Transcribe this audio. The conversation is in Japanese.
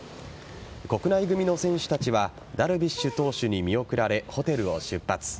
国内組の選手たちはダルビッシュ投手に見送られホテルを出発。